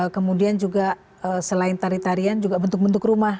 kemudian juga selain tarian tarian juga bentuk bentuk rumah